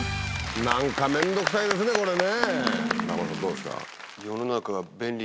なんか、面倒くさいですね、これね。